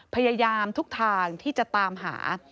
พยายามทุกทางที่จะตามหา